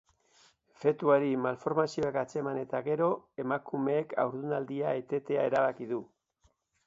Fetuari malformazioak atzeman eta gero, emakumeak haurdunaldia etetea erabaki du.